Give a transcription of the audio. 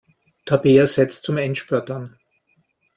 Tabea setzte zum Endspurt an.